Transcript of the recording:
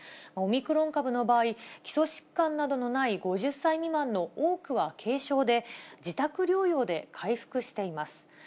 オミクロン株の場合、基礎疾患などのない５０歳未満の多くは軽症で、自宅療養で回復しています。